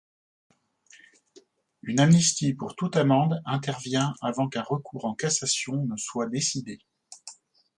Une amnistie pour toute amende intervient avant qu'un recours en cassation ne soit décidé.